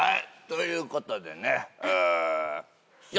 ということでね。